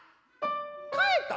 帰ったん？